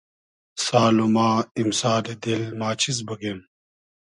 سال و ما ایمسالی دیل ما چیز بوگیم